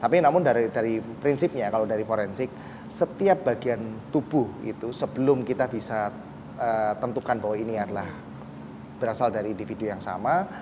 tapi namun dari prinsipnya kalau dari forensik setiap bagian tubuh itu sebelum kita bisa tentukan bahwa ini adalah berasal dari individu yang sama